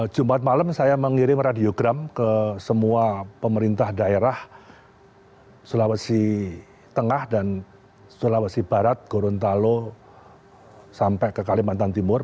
jumat malam saya mengirim radiogram ke semua pemerintah daerah sulawesi tengah dan sulawesi barat gorontalo sampai ke kalimantan timur